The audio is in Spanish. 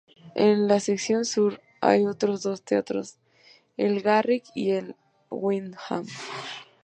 En la sección sur hay otros dos teatros, el Garrick y el Wyndham.